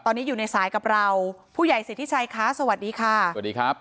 ตอนนี้อยู่ในสายกับเราผู้ใหญ่สิทธิชัยคะสวัสดีค่ะสวัสดีครับ